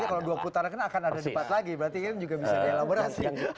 kalau dua putaran akan ada debat lagi berarti kan juga bisa dielaborasi